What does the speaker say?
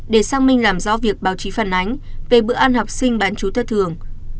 để xác minh làm rõ việc báo chí phản ánh về bữa ăn học sinh bán chú thất thường